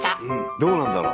どうなんだろう？